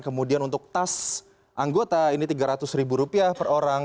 kemudian untuk tas anggota ini tiga ratus ribu rupiah per orang